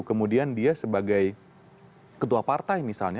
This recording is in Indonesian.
kemudian dia sebagai ketua partai misalnya